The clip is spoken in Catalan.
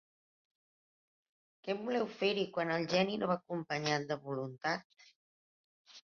Què voleu fer-hi quan el geni no va acompanyat de voluntat?